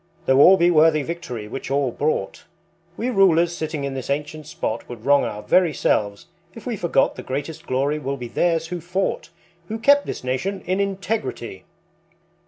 Though all be worthy Victory which all bought, We rulers sitting in this ancient spot Would wrong our very selves if we forgot The greatest glory will be theirs who fought, Who kept this nation in integrity."